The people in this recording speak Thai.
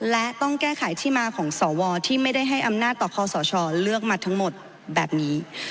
และต้องแก้ไขที่มาของสวที่ไม่ได้ให้อำนาจต่อคอสชเลือกมาทั้งหมดแบบนี้